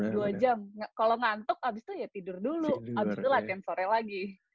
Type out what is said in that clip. dua jam kalau ngantuk abis itu ya tidur dulu abis itu latihan sore lagi